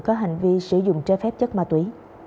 có hành vi sử dụng trái phép chất ma túy